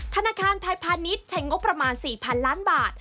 ธนาคารไทยพาณิชย์ใช้งบประมาณ๔๐๐๐ล้านบาท